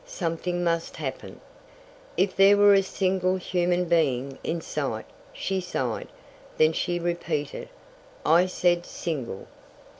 Something must happen. "If there were a single human being in sight," she sighed. Then she repeated, "I said 'single.'"